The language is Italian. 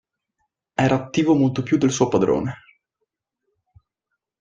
Era attivo molto più del suo padrone.